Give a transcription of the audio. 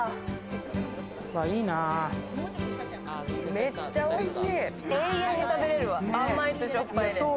めっちゃおいしそう。